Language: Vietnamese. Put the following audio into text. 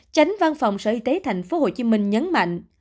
tránh văn phòng sở y tế tp hcm nhấn mạnh